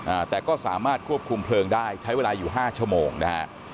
อ่าแต่ก็สามารถควบคุมเพลิงได้ใช้เวลาอยู่ห้าชั่วโมงนะฮะ